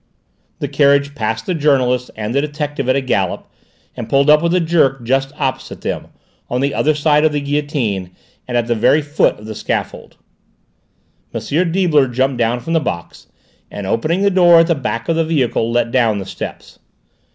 The carriage passed the journalist and the detective at a gallop and pulled up with a jerk just opposite them, on the other side of the guillotine, and at the very foot of the scaffold. M. Deibler jumped down from the box, and opening the door at the back of the vehicle let down the steps.